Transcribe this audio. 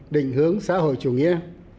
định hướng xã hội chủ nghĩa